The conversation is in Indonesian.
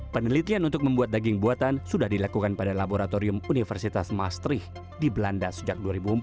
penelitian untuk membuat daging buatan sudah dilakukan pada laboratorium universitas mastrich di belanda sejak dua ribu empat